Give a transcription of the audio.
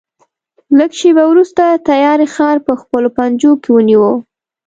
لږ شېبه وروسته تیارې ښار په خپلو پنجو کې ونیو.